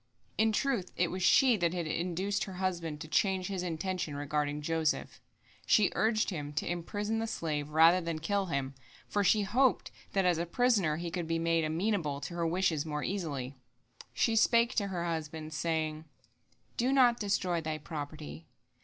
In truth it was she that had induced her husband to change his intention regarding Joseph; she urged him to imprison the slave rather than kill him, for she hoped that as a prisoner he could be made amenable to her wishes more easily. She spake to her husband, saying: "Do not destroy thy property.